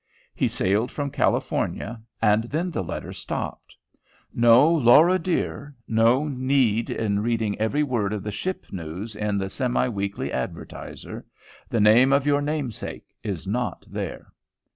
He sailed from California, and then the letters stopped. No! Laura dear, no need in reading every word of the ship news in the "Semi weekly Advertiser;" the name of your namesake is not there.